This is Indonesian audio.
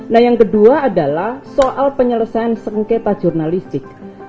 nah yang kedua adalah soal penyelesaian sengketa jurnalistik